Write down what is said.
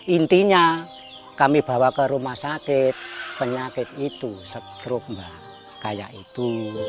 intinya kami bawa ke rumah sakit penyakit itu stroke mbak kayak itu